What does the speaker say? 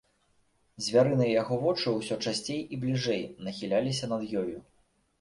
Звярыныя яго вочы ўсё часцей і бліжэй нахіляліся над ёю.